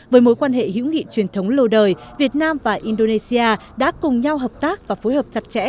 với mối quan hệ hữu nghị truyền thống lâu đời việt nam và indonesia đã cùng nhau hợp tác và phối hợp chặt chẽ